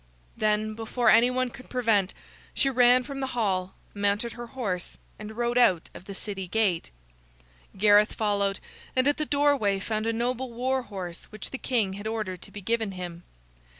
Then, before any one could prevent, she ran from the hall, mounted her horse, and rode out of the city gate. Gareth followed, and at the doorway found a noble war horse which the king had ordered to be given him.